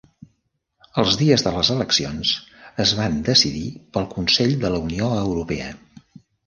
Els dies de les eleccions es van decidir pel Consell de la Unió Europea.